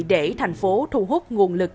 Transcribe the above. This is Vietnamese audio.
để thành phố thu hút nguồn lực